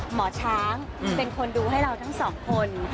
หมอช้างเป็นคนดูให้เราทั้งสองคน